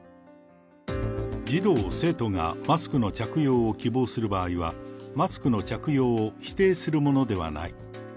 児童・生徒がマスクの着用を希望する場合は、マスクの着用を否定するものではない。